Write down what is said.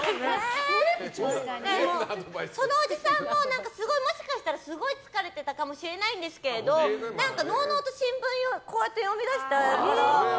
そのおじさんも、もしかしたらすごい疲れてたかもしれないんですけど何かのうのうと新聞読みだしたから。